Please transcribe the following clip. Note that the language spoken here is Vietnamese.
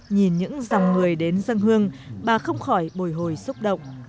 nhìn những dòng người đến dân hương bà không khỏi bồi hồi xúc động